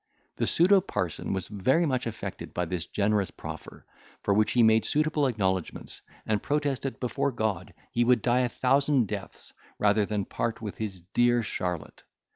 The pseudo parson was very much affected by this generous proffer, for which he made suitable acknowledgments, and protested before God he would die a thousand deaths rather than part with his dear Charlotte.